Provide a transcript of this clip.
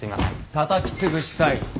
たたき潰したい。